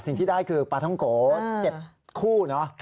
สิ่งที่ได้คือปลาท้องโก๗คู่เนอะ